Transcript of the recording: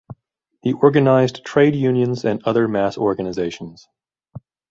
He organised trade unions and other mass organizations.